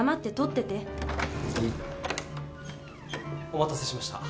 お待たせしました。